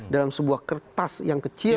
dalam sebuah kertas yang kecil